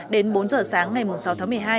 đến bốn giờ sáng ngày sáu tháng một mươi hai